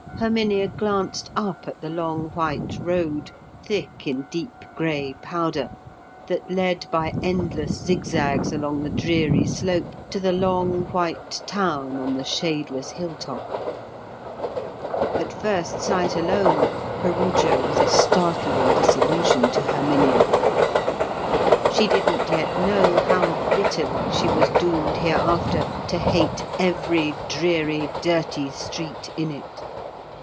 Herminia glanced up at the long white road, thick in deep grey powder, that led by endless zigzags along the dreary slope to the long white town on the shadeless hilltop. At first sight alone, Perugia was a startling disillusion to Herminia. She didn't yet know how bitterly she was doomed hereafter to hate every dreary dirty street in it.